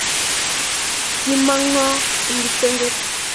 Kimong` ng'o eng' kipsengwet?